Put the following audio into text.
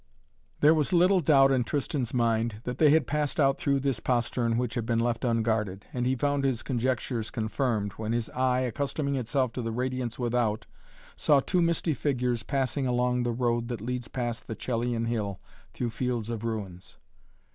There was little doubt in Tristan's mind that they had passed out through this postern which had been left unguarded, and he found his conjectures confirmed, when his eye, accustoming itself to the radiance without, saw two misty figures passing along the road that leads past the Coelian Hill through fields of ruins.